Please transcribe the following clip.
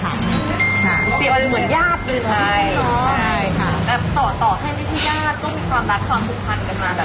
เปรียบเป็นเหมือนญาติเลยใช่ไหมแบบต่อให้ไม่ใช่ญาติก็มีความรักความผูกพันกันมาก